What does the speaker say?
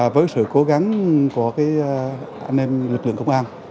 với sự cố gắng của anh em lực lượng công an